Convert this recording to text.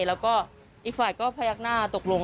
แล้วก็อีกฝ่ายพระยักษณะตกลง